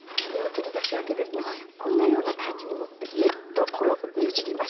こんなような感じに持ってギュッとこうよじります。